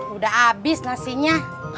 udah abis nasinya